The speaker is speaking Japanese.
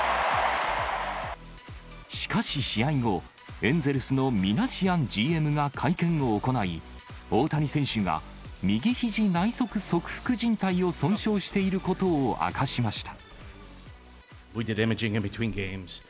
しかし、試合後、エンゼルスのミナシアンＧＭが会見を行い、大谷選手が右ひじ内側側副じん帯を損傷していることを明かしました。